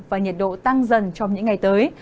và nhiệt độ tăng dần trong những ngày tới